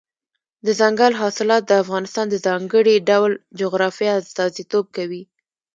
دځنګل حاصلات د افغانستان د ځانګړي ډول جغرافیه استازیتوب کوي.